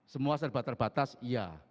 semua serba terbatas iya